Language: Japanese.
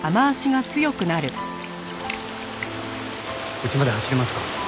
うちまで走れますか？